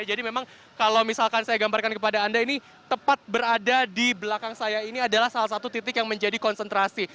jadi memang kalau misalkan saya gambarkan kepada anda ini tepat berada di belakang saya ini adalah salah satu titik yang menjadi konsentrasi